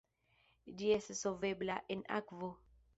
Ĝi estas solvebla en akvo.